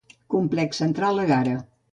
Complex Central Egara.